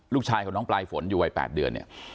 ลูกชายของน้องปลายฝนอยู่วัย๘เดือนเนี่ย